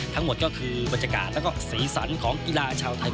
ทั้งหมดก็คือบรรยากาศแล้วก็สีสันของกีฬาชาวไทย